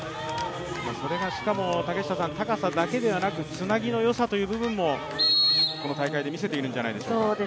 それがしかも高さだけではなくつなぎのよさという部分もこの大会で見せているんじゃないでしょうか。